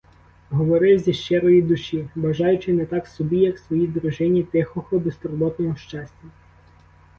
Говорив зі щирої душі, бажаючи не так собі, як своїй дружині тихого, безтурботного щастя.